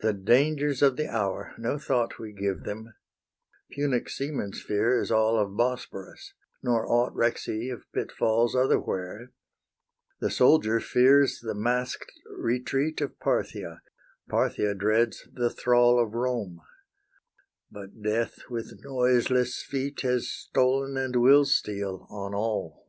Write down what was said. The dangers of the hour! no thought We give them; Punic seaman's fear Is all of Bosporus, nor aught Recks he of pitfalls otherwhere; The soldier fears the mask'd retreat Of Parthia; Parthia dreads the thrall Of Rome; but Death with noiseless feet Has stolen and will steal on all.